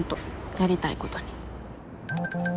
やりたいことに。